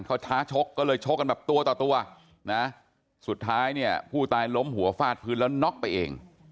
เขาท้าชกก็เลยชกกันแบบตัวต่อตัวนะสุดท้ายเนี่ยผู้ตายล้มหัวฟาดพื้นแล้วน็อกไปเอง